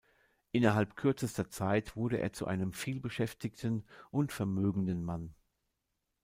Innerhalb kürzester Zeit wurde er zu einem vielbeschäftigten und vermögenden Mann.